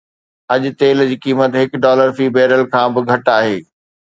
اڄ تيل جي قيمت هڪ ڊالر في بيرل کان به گهٽ آهي.